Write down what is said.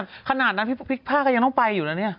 ถ้าขนาดนั้นพูดพริกพากยังต้องไปอยู่นะเนี่ย